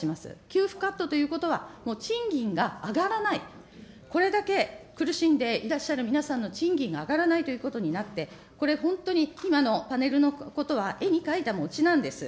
給付カットということは、もう賃金が上がらない、これだけ苦しんでいらっしゃる皆さんの賃金が上がらないということになって、これ本当に今のパネルのことは絵に描いた餅なんです。